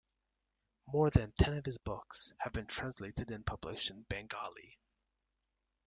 More than ten of his books have been translated and published in Bengali.